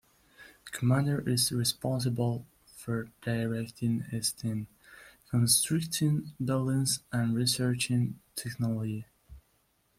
A commander is responsible for directing his team, constructing buildings and researching technology.